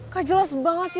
gak jelas banget sih